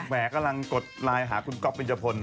แห่กำลังกดไลน์หาคุณก๊อฟเบญจพล